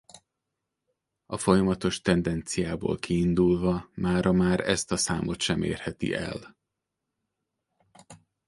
A folyamatos tendenciából kiindulva mára már ezt a számot sem érheti el.